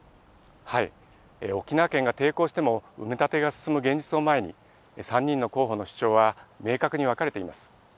沖縄県が抵抗しても、埋め立てが進む現実を前に、３人の候補の主張は、明確に分かれています。